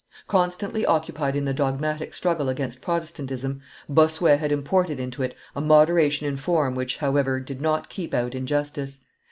Constantly occupied in the dogmatic struggle against Protestantism, Bossuet had imported into it a moderation in form which, however, did not keep out injustice.